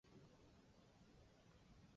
而圣火则整晚于大会堂对开燃烧。